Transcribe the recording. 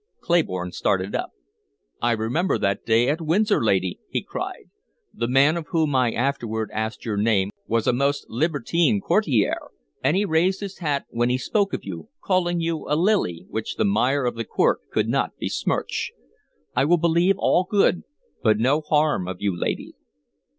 Clayborne started up. "I remember that day at Windsor, lady!" he cried. "The man of whom I afterward asked your name was a most libertine courtier, and he raised his hat when he spoke of you, calling you a lily which the mire of the court could not besmirch. I will believe all good, but no harm of you, lady!"